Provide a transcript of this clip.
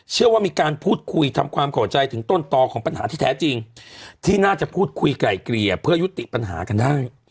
เชื่อว่ามีการพูดคุยทำความเข้าใจถึงต้นต่อของปัญหาที่แท้จริงที่น่าจะพูดคุยไก่เกลี่ยเพื่อยุติปัญหากันได้